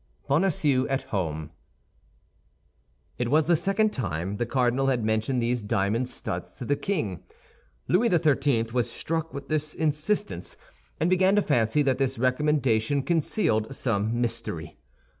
BONACIEUX AT HOME It was the second time the cardinal had mentioned these diamond studs to the king. Louis XIII. was struck with this insistence, and began to fancy that this recommendation concealed some mystery.